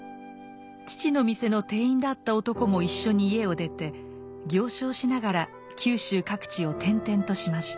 父の店の店員だった男も一緒に家を出て行商しながら九州各地を転々としました。